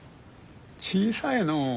小さいのう。